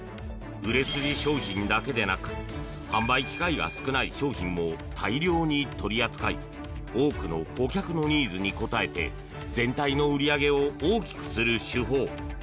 売れ筋商品だけでなく販売機会が少ない商品も大量に取り扱い多くの顧客のニーズに応えて全体の売り上げを大きくする手法。